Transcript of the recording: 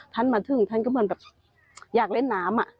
ท่านมาถึงท่านก็เหมือนแบบอยากเล่นน้ำ